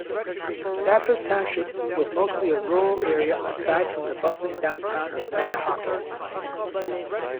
Stafford Township was mostly a rural area, aside from the bustling downtown of Manahawkin.